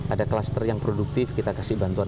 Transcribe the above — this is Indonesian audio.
ada kluster yang produktif kita kasih bantuan